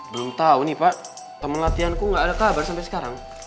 belum tau nih pak temen latihan ku gak ada kabar sampai sekarang